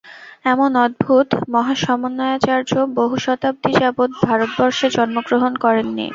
এমন অদ্ভুত মহাসমন্বয়াচার্য বহুশতাব্দী যাবৎ ভারতবর্ষে জন্মগ্রহণ করেননি।